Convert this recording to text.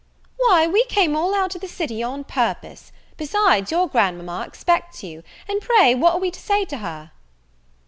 "Why, we came all out of the city on purpose: besides, your grand mama expects you; and, pray, what are we to say to her?"